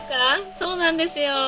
そうなんですよ。